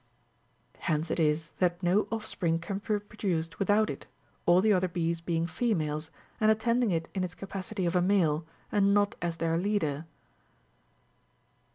Hence it is, that no off spring can be produced without it, all the other bees being females,49 and. attending it in its capacity of a male, and not as their leader.